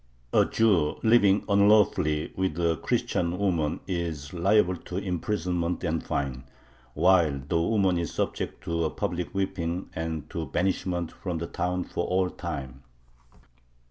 A Jew living unlawfully with a Christian woman is liable to imprisonment and fine, while the woman is subject to a public whipping and to banishment from the town for all time.